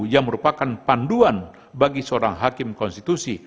yang merupakan panduan bagi seorang hakim konstitusi